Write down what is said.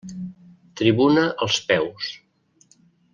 Tribuna als peus.